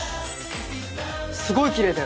すごいきれいだよ。